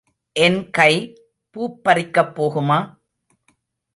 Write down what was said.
என் கை பூப்பறிக்கப் போகுமா?